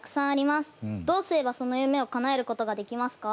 どうすればその夢をかなえることができますか？